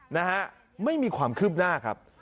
นะฮะไม่มีความคืบหน้าครับ